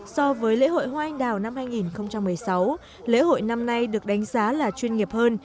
so với lễ hội hoa anh đào năm hai nghìn một mươi sáu lễ hội năm nay được đánh giá là chuyên nghiệp hơn